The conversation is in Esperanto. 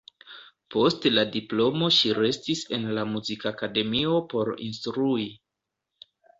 Post la diplomo ŝi restis en la Muzikakademio por instrui.